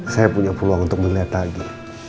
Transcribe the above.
saya punya peluang untuk melihat lagi